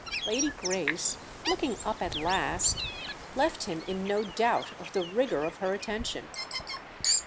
Lady Grace, looking up at last, left him in no doubt of the rigour of her attention.